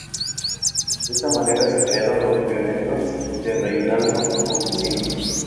De esa manera se crearon Los Violentos de Reynaldo Montesinos.